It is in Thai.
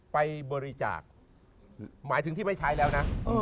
ไปบริจาคหมายถึงที่ไม่ใช้แล้วนะ